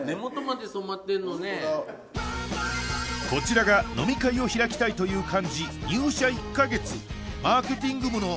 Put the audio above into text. こちらが飲み会を開きたいという幹事